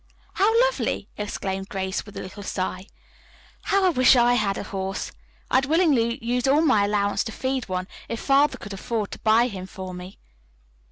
"How lovely!" exclaimed Grace with a little sigh. "How I wish I had a horse. I'd willingly use all my allowance to feed one, if Father could afford to buy him for me."